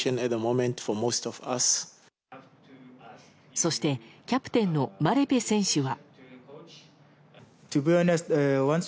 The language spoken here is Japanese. そしてキャプテンのマレぺ選手は。